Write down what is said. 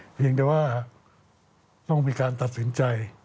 เพียงแต่ว่าต้องมีการตัดสินใจ